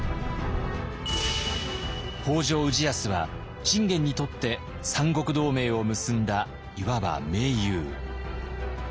北条氏康は信玄にとって三国同盟を結んだいわば盟友。